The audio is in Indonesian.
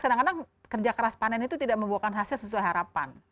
karena kadang kadang kerja keras panen itu tidak membawakan hasil sesuai harapan